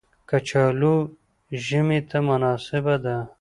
کچالو ژمي ته مناسبه ده